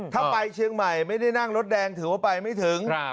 ถ้าไปเชียงใหม่ไม่ได้นั่งรถแดงถือว่าไปไม่ถึง